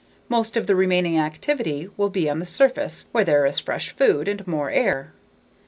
Most of the remaining activity will be on the surface where there is fresh food and more air.